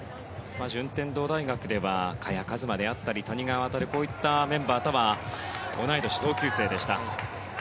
順天堂大学では萱和磨であったり谷川航、こういったメンバーとは同い年、同級生でした。